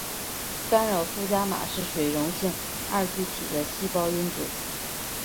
干扰素伽玛是水溶性二聚体的细胞因子。